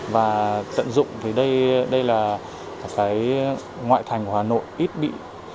và tận dụng thì đây là cái ngoại thành của hà nội ít bị